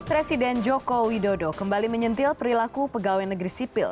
presiden joko widodo kembali menyentil perilaku pegawai negeri sipil